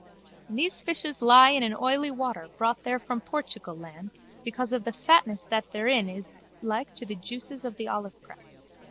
And these fishes lie in an oily water brought there from Portugal land because of the fatness that therein is like to the juices of the olivepress.